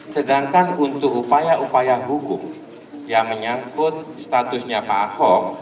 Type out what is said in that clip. sedangkan untuk upaya upaya hukum yang menyangkut statusnya pak ahok